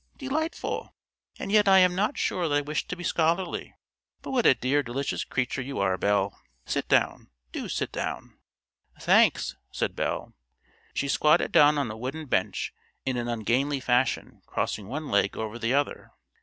Delightful! And yet I am not sure that I wish to be scholarly; but what a dear delicious creature you are, Belle! Sit down; do sit down." "Thanks," said Belle. She squatted down on a wooden bench in an ungainly fashion, crossing one leg over the other.